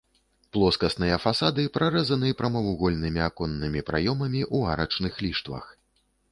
Плоскасныя фасады прарэзаны прамавугольнымі аконнымі праёмамі ў арачных ліштвах.